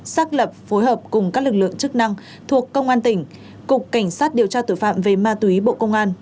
xác lập phối hợp cùng các lực lượng chức năng thuộc công an tỉnh cục cảnh sát điều tra tử phạm về ma túy bộ công an